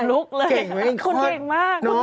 ต้องลุกเลยคุณแก่งมาก